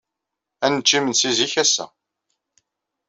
Ad nečč imensi zik ass-a.